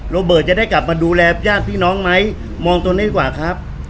โรเบิร์ตจะได้กลับมาดูแลญาติพี่น้องไหมมองตรงนี้ดีกว่าครับ